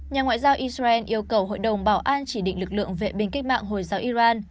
nhà ngoại giao israel yêu cầu hội đồng bảo an chỉ định lực lượng vệ binh cách mạng hồi giáo iran